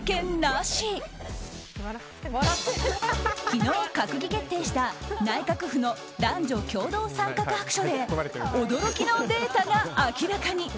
昨日、閣議決定した内閣府の男女共同参画白書で驚きのデータが明らかに。